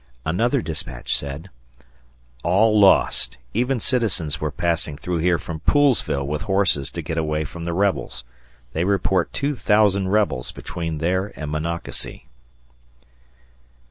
Another dispatch said: All lost. Even citizens were passing through here from Poolsville with horses to get away from the rebels. They report 2000 rebels between there and Monocacy.